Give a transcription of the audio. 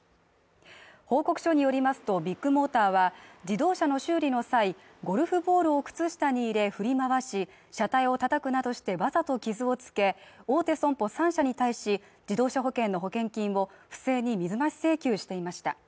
報告書によりますとビッグモーターは自動車の修理の際、ゴルフボールを靴下に入れ振り回し車体を叩くなどしてわざと傷をつけ、大手損保３社に対し、自動車保険の保険金を不正に水増し請求していました。